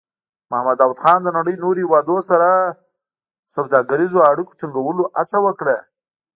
محمد داؤد خان د نړۍ نورو هېوادونو سره سوداګریزو اړیکو ټینګولو هڅه وکړه.